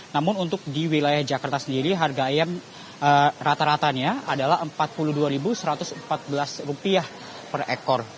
namun untuk di wilayah jakarta sendiri harga ayam rata ratanya adalah rp empat puluh dua satu ratus empat belas per ekor